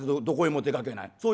どこへも出かけない。